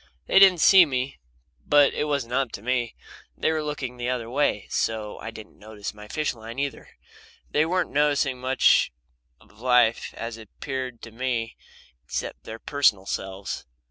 They didn't see me but it wasn't up to me. They were looking the other way, so they didn't notice my fish line either. They weren't noticing much of life as it appeared to me except their personal selves.